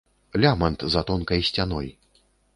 Лямант за тонкай сцяной.